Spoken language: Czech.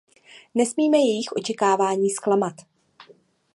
Nesmíme jejich očekávání zklamat.